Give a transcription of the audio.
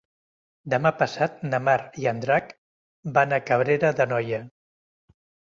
Demà passat na Mar i en Drac van a Cabrera d'Anoia.